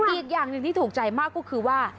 อีกอย่างหนึ่งที่ถูกใจมากก็คือว่า